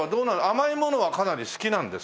甘いものはかなり好きなんですか？